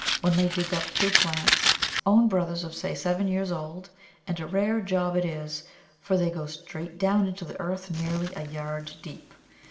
One may dig up two plants own brothers of say seven years old and a rare job it is, for they go straight down into the earth nearly a yard deep.